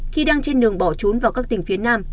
khi đang trên đường bỏ trốn vào các tỉnh phía nam